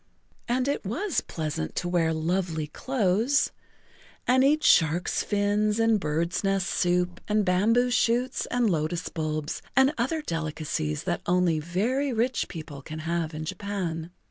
And it was pleasant to wear lovely clothes, and eat sharks' fins and birds' nest soup and bamboo shoots and lotus bulbs and other delicacies[Pg 35] that only very rich people can have in Japan.